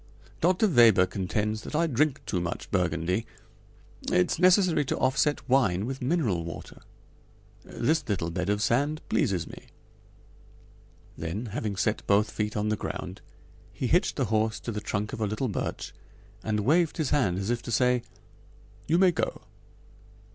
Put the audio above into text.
Dr. Weber contends that I drink too much Burgundy. It's necessary to offset wine with mineral water. This little bed of sand pleases me." Then, having set both feet on the ground, he hitched the horse to the trunk of a little birch and waved his hand as if to say: "You may go."